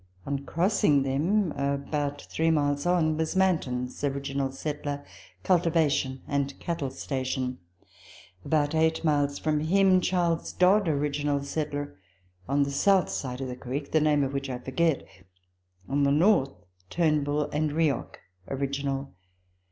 On crossing them, about three miles on, was Manton's (original settler) cultivation and cattle station ; about eight miles from him Charles Dodd (original settler), on the south side of the creek (the name of which I forget) ; on the north Turnbull and Reoch (original).